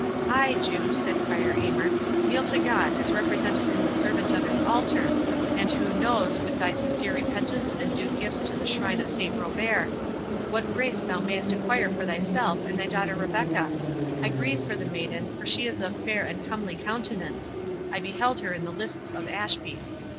"Ay, Jew," said Prior Aymer; "kneel to God, as represented in the servant of his altar, and who knows, with thy sincere repentance and due gifts to the shrine of Saint Robert, what grace thou mayst acquire for thyself and thy daughter Rebecca? I grieve for the maiden, for she is of fair and comely countenance,—I beheld her in the lists of Ashby.